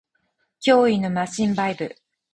脅威のマシンバイブ